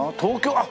あっ！